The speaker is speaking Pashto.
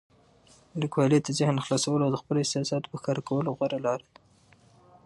لیکوالی د ذهن خلاصولو او د خپلو احساساتو په ښکاره کولو غوره لاره ده.